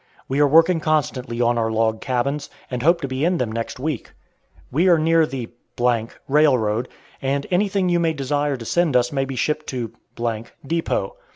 We are working constantly on our log cabins, and hope to be in them next week. We are near the railroad, and anything you may desire to send us may be shipped to depot.